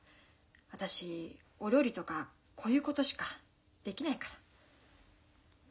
私お料理とかこういうことしかできないから。